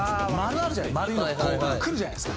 丸いのがくるじゃないですか。